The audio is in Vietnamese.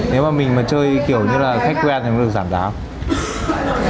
nếu mà mình mà chơi kiểu như là khách quen thì nó được giảm giá không